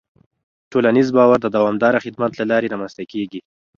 ټولنیز باور د دوامداره خدمت له لارې رامنځته کېږي.